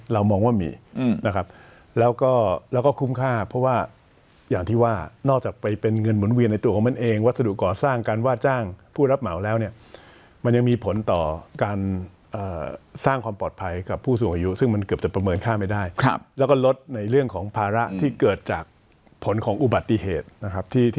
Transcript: เรามองว่ามีนะครับแล้วก็คุ้มค่าเพราะว่าอย่างที่ว่านอกจากไปเป็นเงินหมุนเวียนในตัวของมันเองวัสดุก่อสร้างการว่าจ้างผู้รับเหมาแล้วเนี่ยมันยังมีผลต่อการสร้างความปลอดภัยกับผู้สูงอายุซึ่งมันเกือบจะประเมินค่าไม่ได้แล้วก็ลดในเรื่องของภาระที่เกิดจากผลของอุบัติเหตุนะครับ